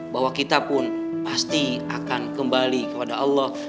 bahwa kita pun pasti akan kembali kepada allah